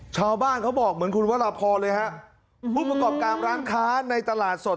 ชาวบ้านเขาบอกเหมือนคุณวรพรเลยฮะผู้ประกอบการร้านค้าในตลาดสด